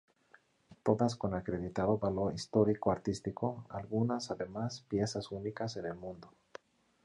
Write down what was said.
Todas con acreditado valor histórico-artístico, algunas, además, piezas únicas en el mundo.